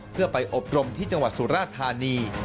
เพื่อไปอบรมที่จังหวัดสุราธานี